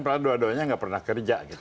padahal dua duanya nggak pernah kerja gitu